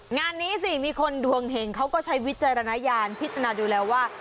งานนี้สิมีคนดวงเห็งเขาก็ใช้วิจารณญาณพิจารณาดูแลว่า